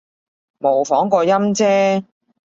模仿個音啫